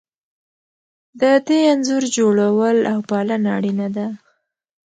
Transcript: د دې انځور جوړول او پالنه اړینه ده.